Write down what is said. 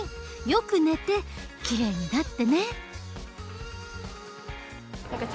よく寝てきれいになってね。